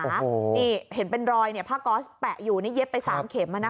นี่เห็นเป็นรอยเนี่ยผ้าก๊อสแปะอยู่เนี่ยเย็บไปสามเข็มอะนะคะ